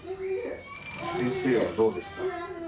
先生はどうですか？